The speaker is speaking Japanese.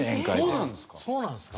そうなんですか？